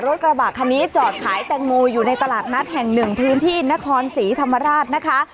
รถกระบะคันนี้จอดขายแตงโมอยู่ในตลาดนัดแห่งหนึ่งพื้นที่นครศรีธรรมราชนะคะ